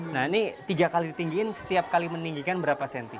nah ini tiga kali ditinggiin setiap kali meninggikan berapa cm